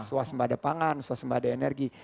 suasembah ada pangan suasembah ada energi